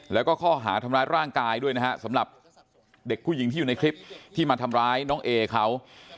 แล้วก็ข้อหาทำร้ายร่างกายด้วยนะฮะสำหรับเด็กผู้หญิงที่อยู่ในคลิปที่มาทำร้ายน้องเอเขา